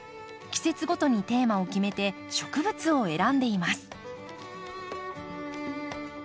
季節ごとにテーマを決めて植物を選んでいます。